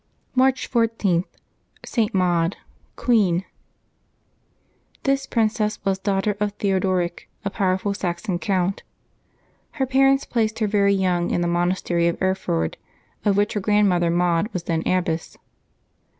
March 14.— ST. MAUD, Queen ^^His princess was daughter of Theodoric, a powerful V / Saxon count. Her parents placed her very 3^oung' in the monastery of Erford, of which her grandmother Maud was then abbess.